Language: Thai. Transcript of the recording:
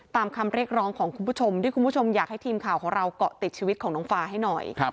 ตามคำเรียกร้องของคุณผู้ชมที่คุณผู้ชมอยากให้ทีมข่าวของเราเกาะติดชีวิตของน้องฟ้าให้หน่อย